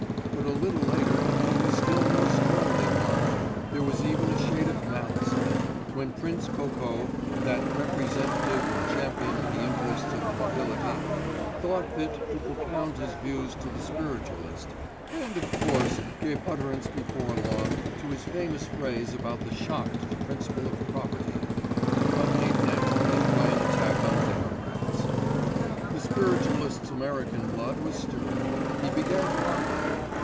But a little later it was still more strongly marked, there was even a shade of malice in it, when Prince Kokó, that representative and champion of the interests of the nobility, thought fit to propound his views to the spiritualist, and, of course, gave utterance before long to his famous phrase about the shock to the principle of property, accompanied naturally by an attack on democrats. The spiritualist's American blood was stirred; he began to argue.